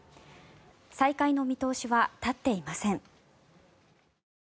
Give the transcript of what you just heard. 再開の見通しは立っていません。